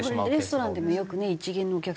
レストランでもよくね一見のお客さん